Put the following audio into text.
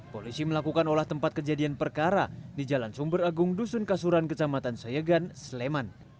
polisi melakukan olah tempat kejadian perkara di jalan sumber agung dusun kasuran kecamatan seyegan sleman